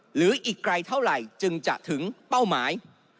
หรืออีกไกลเท่าไหร่จึงจะถึงเป้าหมาย